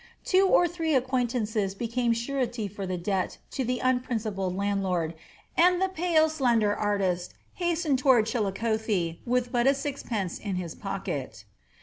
Two or three acquaintances became surety for the debt to the unprincipled landlord, and the pale, slender artist hastened toward Chillicothe with but a sixpence in his pocket.